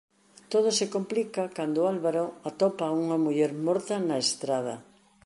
Todo se complica cando Álvaro atopa a unha muller morta na estrada.